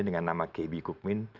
dengan nama kb kukmin